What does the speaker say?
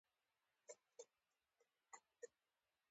د اشرف غني په حکومت کې د زعامت دوه قطبه دي.